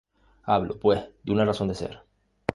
Hablo, pues, de una razón de ser.